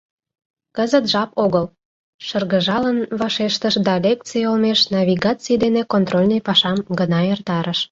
Кызыт жап огыл, — шыргыжалын вашештыш да лекций олмеш навигаций дене контрольный пашам гына эртарыш.